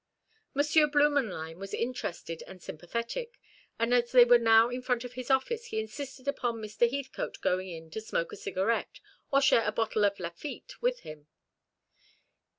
Monsieur Blümenlein was interested and sympathetic, and as they were now in front of his office, he insisted upon Mr. Heathcote going in to smoke a cigarette, or share a bottle of Lafitte with him.